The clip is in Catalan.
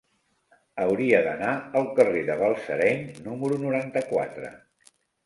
Hauria d'anar al carrer de Balsareny número noranta-quatre.